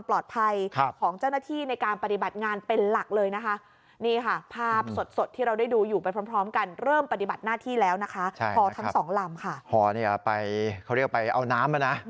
ไปเขาเรียกว่าไปเอาน้ำนะ